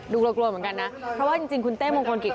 กลัวกลัวเหมือนกันนะเพราะว่าจริงคุณเต้มงคลกิจ